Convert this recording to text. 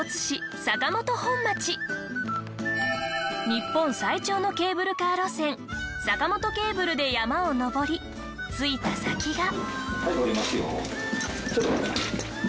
日本最長のケーブルカー路線坂本ケーブルで山を登り着いた先が。